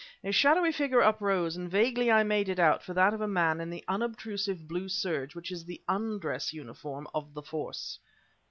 A shadowy figure uprose, and vaguely I made it out for that of a man in the unobtrusive blue serge which is the undress uniform of the Force.